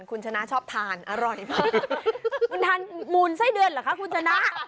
คุณชนะชอบทานอร่อยมากคุณทานมูลไส้เดือนเหรอคะคุณชนะ